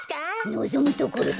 のぞむところだ。